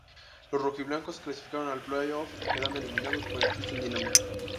Los rojiblancos clasificaron al "play-off", quedando eliminados por el Houston Dynamo.